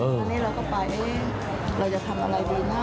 ตอนนี้เราก็ไปเราจะทำอะไรดีนะ